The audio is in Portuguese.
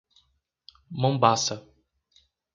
Mombaça